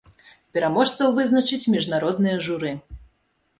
Пераможцаў вызначыць міжнароднае журы.